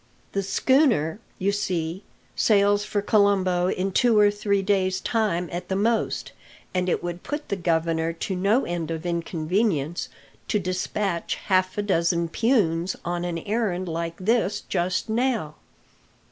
"The schooner, you see, sails for Colombo in two or three days' time at the most, and it would put the governor to no end of inconvenience to despatch half a dozen peons on an errand like this just now.